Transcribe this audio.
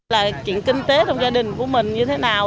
là chuyện kinh tế trong gia đình của mình như thế nào